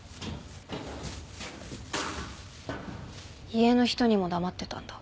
家の人にも黙ってたんだ。